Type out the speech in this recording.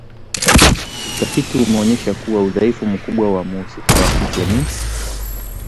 Utafiti umeonyesha kuwa udhaifu mkubwa wa mhusika wa kike ni